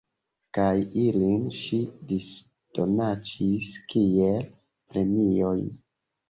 Kaj ilin ŝi disdonacis kiel premiojn.